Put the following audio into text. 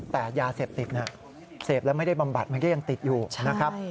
แต่ยาเสพติดเสพแล้วไม่ได้บำบัดมันก็ยังติดอยู่นะครับ